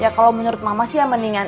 ya kalau menurut mama sih ya mendingan